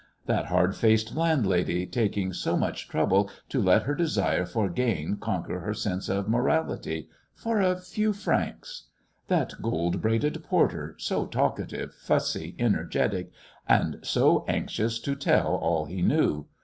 that hard faced landlady taking so much trouble to let her desire for gain conquer her sense of morality for a few francs! That gold braided porter, so talkative, fussy, energetic, and so anxious to tell all he knew!